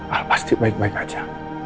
ya pasti baik baik aja